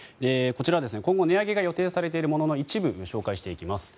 こちら今後値上げが予定されているものの一部を紹介していきます。